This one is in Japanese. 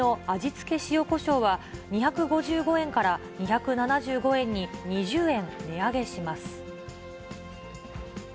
付塩こしょうは、２５５円から２７５円に、２０円値上げします。